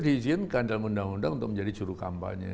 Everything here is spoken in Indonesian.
diizinkan dalam undang undang untuk menjadi juru kampanye